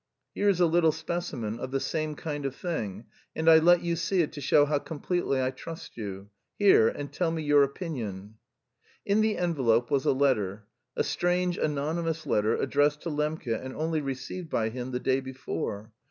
"Here is a little specimen of the same kind of thing, and I let you see it to show how completely I trust you. Here, and tell me your opinion." In the envelope was a letter, a strange anonymous letter addressed to Lembke and only received by him the day before.